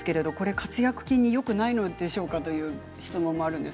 括約筋によくないんでしょうかという質問です。